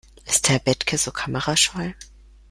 Ist Herr Bethke so kamerascheu?